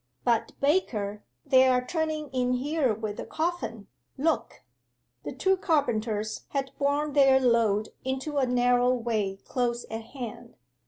But, Baker, they are turning in here with the coffin, look.' The two carpenters had borne their load into a narrow way close at hand.